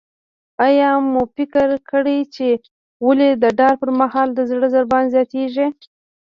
آیا مو فکر کړی چې ولې د ډار پر مهال د زړه ضربان زیاتیږي؟